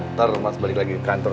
ntar mas balik lagi ke kantor